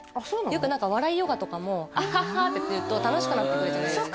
よく笑いヨガとかも「アハハ」ってやってると楽しくなってくるじゃないですか